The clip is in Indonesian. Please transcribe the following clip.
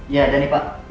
iya ada nih pak